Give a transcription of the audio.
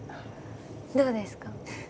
どうですか？